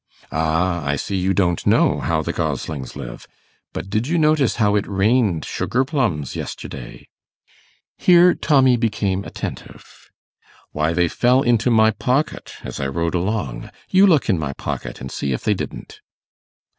'Ah, I see you don't know how the goslings live! But did you notice how it rained sugar plums yesterday?' (Here Tommy became attentive.) 'Why, they fell into my pocket as I rode along. You look in my pocket and see if they didn't.